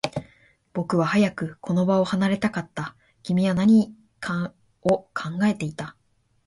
僕は早くこの場を離れたかった。君は何かを考えていた。